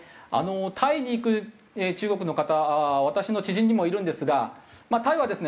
タイに行く中国の方私の知人にもいるんですがタイはですね